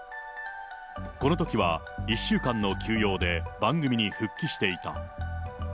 このときは１週間の休養で番組に復帰していた。